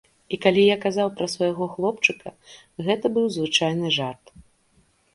І калі я казаў пра свайго хлопчыка, гэта быў звычайны жарт.